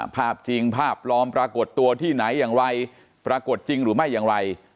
ภาพจริงภาพปลอมปรากฏตัวที่ไหนอย่างไรปรากฏจริงหรือไม่อย่างไร